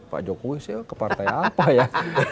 pak jokowi ke partai apa ya